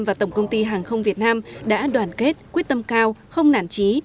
và tổng công ty hàng không việt nam đã đoàn kết quyết tâm cao không nản trí